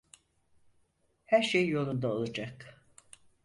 Her şey yolunda olacak.